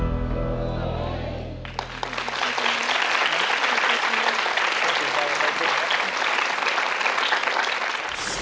ขอบคุณครับ